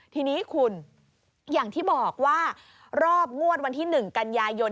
ทีนี้คุณอย่างที่บอกว่ารอบงวดวันที่๑กันยายน